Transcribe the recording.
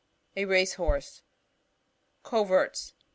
— A race horse. ^ j Coverts.